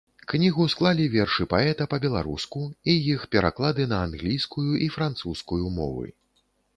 Кнігу склалі вершы паэта па-беларуску і іх пераклады на англійскую і французскую мовы.